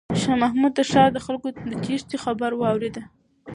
شاه محمود د ښار د خلکو د تیښتې خبر واورېد.